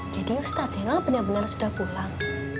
jadi ustadz zainal bener bener sudah pulang